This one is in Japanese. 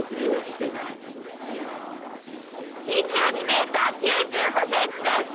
２２メーター９５センチです！